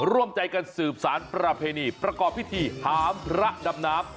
ร่วมใจกันสืบสารประเพณีประกอบพิธีหามพระดำน้ำ